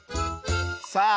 さあ